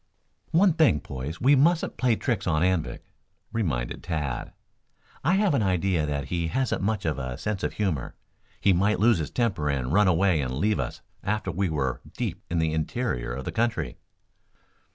"One thing, boys, we mustn't play tricks on Anvik," reminded Tad. "I have an idea that he hasn't much of a sense of humor. He might lose his temper and run away and leave us after we were deep in the interior of the country."